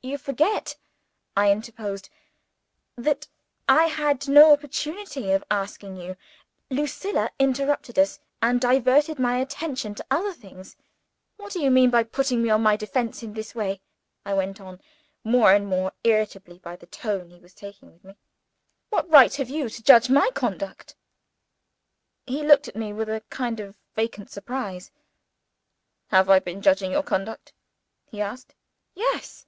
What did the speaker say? "You forget," I interposed, "that I had no opportunity of asking you. Lucilla interrupted us, and diverted my attention to other things. What do you mean by putting me on my defence in this way?" I went on, more and more irritated by the tone he was taking with me. "What right have you to judge my conduct?" He looked at me with a kind of vacant surprise. "Have I been judging your conduct?" he asked. "Yes."